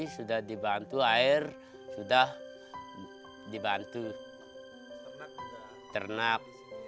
sudah dibantu air sudah dibantu ternak